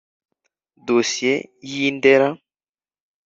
Dossier y’I Ndera